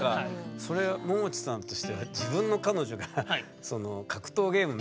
それももちさんとしては自分の彼女が格闘ゲーム